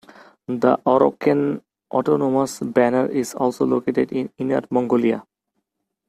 The Oroqen Autonomous Banner is also located in Inner Mongolia.